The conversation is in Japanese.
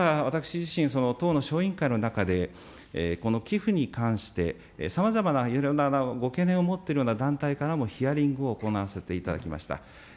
実は私自身、党の小委員会の中で、この寄付に関してさまざまなご懸念を持っているような団体からもヒアリングを行わせていただきました。